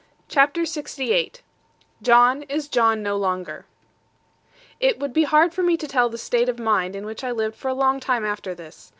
CHAPTER LXVIII JOHN IS JOHN NO LONGER It would be hard for me to tell the state of mind in which I lived for a long time after this.